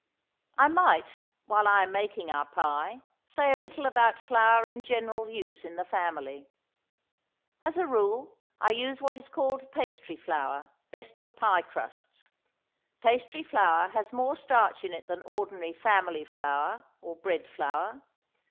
I might, while I am making our pie, say a little about flour in general use in the family. As a rule I use what is called pastry flour, best for pie crusts. Pastry flour has more starch in it than ordinary family flour, or bread flour.